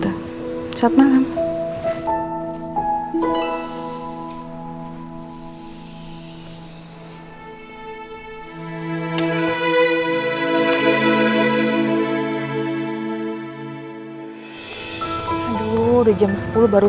aku bakal buktiin kau mas ke akamu